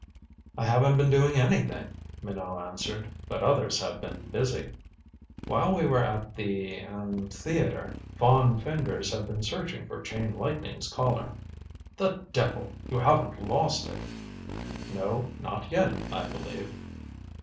"I haven't been doing anything," Minot answered. "But others have been busy. While we were at the er theater, fond fingers have been searching for Chain Lightning's Collar." "The devil! You haven't lost it?" "No not yet, I believe."